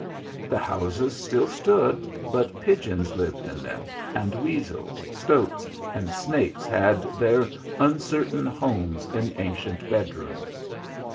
The houses still stood, but pigeons lived in them, and weasels, stoats and snakes had their uncertain homes in ancient bedrooms.